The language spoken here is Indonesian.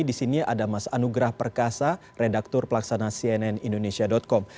di sini ada mas anugrah perkasa redaktur pelaksana cnn indonesia com